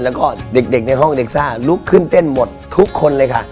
แล้วก็เด็กในห้องเด็กซ่าลุกขึ้นเต้นหมดทุกคนเลยค่ะ